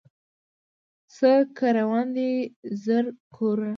څه که وران دي زر کورونه